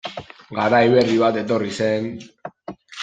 Garai berri bat etorri zen...